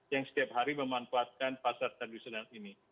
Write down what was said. yang setiap hari memanfaatkan pasar tradisional ini